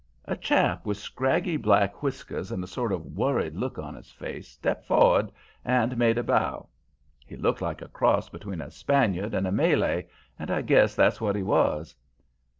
"A chap with scraggy black whiskers and a sort of worried look on his face, stepped for'ard and made a bow. He looked like a cross between a Spaniard and a Malay, and I guess that's what he was.